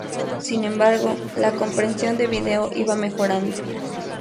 Sin embargo, la compresión de vídeo iba mejorando.